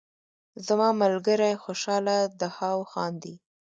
زما ملګری خوشحاله دهاو خاندي